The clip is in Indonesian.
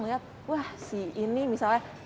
melihat wah si ini misalnya